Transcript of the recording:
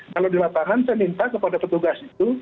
kalau di lapangan saya minta kepada petugas itu